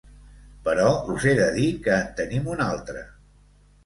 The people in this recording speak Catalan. Però us he de dir que en tenim un altre.